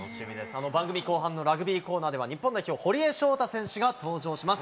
今回、番組後半のラグビーコーナーでは、日本代表、堀江翔太選手が登場します。